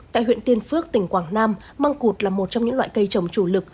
tại huyện tiên phước tỉnh quảng nam măng cụt là một trong những loại cây trồng chủ lực